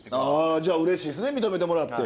じゃあうれしいですね認めてもらって。